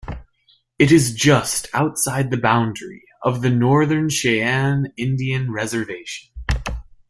It is just outside the boundary of the Northern Cheyenne Indian Reservation.